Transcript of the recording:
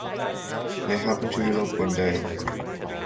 They happen to elope one day.